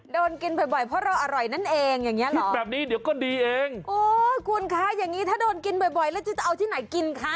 โดนกินบ่อยเพราะเราอร่อยนั้นเองอย่างนี้เหรอคุณคะอย่างนี้ถ้าโดนกินบ่อยแล้วจะเอาที่ไหนกินคะ